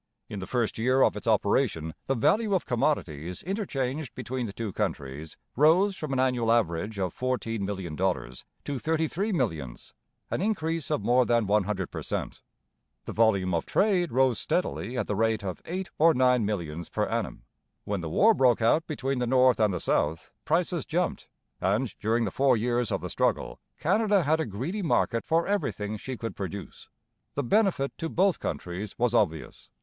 In the first year of its operation the value of commodities interchanged between the two countries rose from an annual average of fourteen million dollars to thirty three millions, an increase of more than one hundred per cent. The volume of trade rose steadily at the rate of eight or nine millions per annum. When the war broke out between the North and the South, prices jumped, and, during the four years of the struggle, Canada had a greedy market for everything she could produce. The benefit to both countries was obvious.